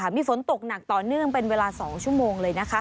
มีฝนตกหนักต่อเนื่องเป็นเวลา๒ชั่วโมงเลย